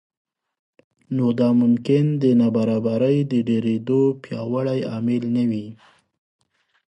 نو دا ممکن د نابرابرۍ د ډېرېدو پیاوړی عامل نه وي